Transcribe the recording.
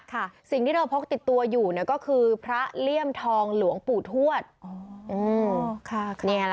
สิ่งที่เธอพกติดตัวอยู่เนี่ยก็คือพระเลี่ยมทองหลวงปู่ทวด